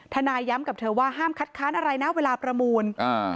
นายย้ำกับเธอว่าห้ามคัดค้านอะไรนะเวลาประมูลอ่า